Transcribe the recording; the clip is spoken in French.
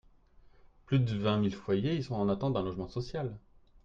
Plus de vingt mille foyers y sont en attente d’un logement social.